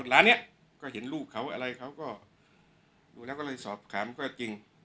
ร้านนี้ก็เห็นลูกเขาอะไรเขาก็ดูแล้วก็เลยสอบถามก็จริง